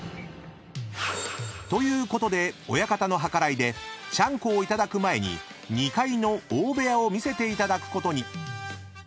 ［ということで親方の計らいでちゃんこをいただく前に２階の大部屋を見せていただくことに］